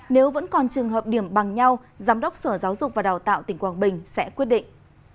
nếu vẫn còn trường hợp điểm bằng nhau giám đốc sở giáo dục và đào tạo tỉnh quảng bình sẽ quyết định